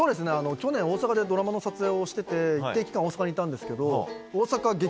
去年大阪でドラマの撮影をしてて一定期間大阪にいたんですけど。